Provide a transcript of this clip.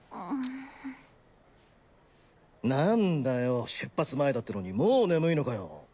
なんだよ出発前だってのにもう眠いのかよ。